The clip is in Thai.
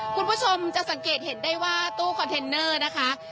คุณผู้ชมจะสังเกตเห็นได้ว่าตู้คอนเทนเนอร์นะคะ